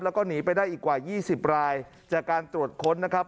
แล้วก็หนีไปได้อีกกว่ายี่สิบรายจากการตรวจค้นนะครับ